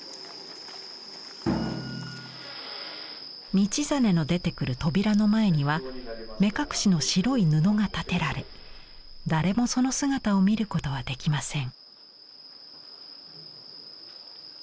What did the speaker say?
道真の出てくる扉の前には目隠しの白い布が立てられ誰もその姿を見ることはできません。